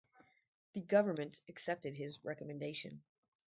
The Government accepted his recommendation.